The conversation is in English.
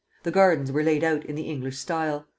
The gardens were laid out in the English style.